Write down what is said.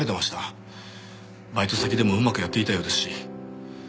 バイト先でもうまくやっていたようですし。